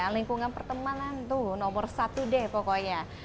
lingkungan pertemanan tuh nomor satu deh pokoknya